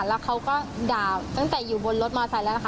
แล้วเขาก็ด่าตั้งแต่อยู่บนมอเตอร์ไซค์